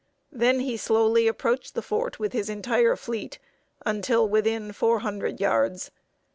Then he slowly approached the fort with his entire fleet, until within four hundred yards.